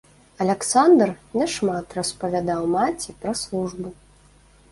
Аляксандр няшмат распавядаў маці пра службу.